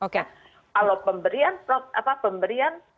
kalau pemberian apa pemberian